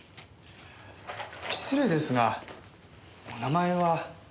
失礼ですがお名前は？